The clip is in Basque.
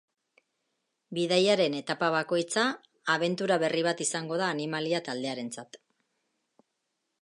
Bidaiaren etapa bakoitza abentura berri bat izango da animalia-taldearentzat.